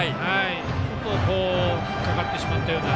ちょっとひっかかってしまったような。